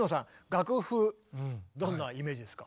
楽譜どんなイメージですか？